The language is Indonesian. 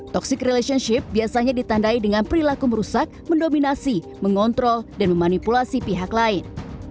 toxic relationship biasanya ditandai dengan perilaku merusak mendominasi mengontrol dan memanipulasi pihak lain